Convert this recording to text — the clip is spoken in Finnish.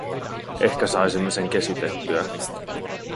Ehkä saisimme sen kesytettyä.